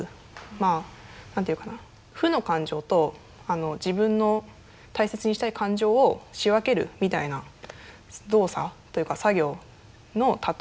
まあ何て言うかな負の感情と自分の大切にしたい感情を仕分けるみたいな動作というか作業の例えでザルって言ってます。